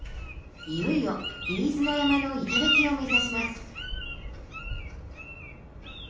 いよいよ飯縄山の頂を目指します。